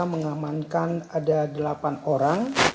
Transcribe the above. mengamankan ada delapan orang